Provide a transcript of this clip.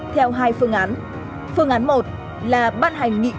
theo hai phương án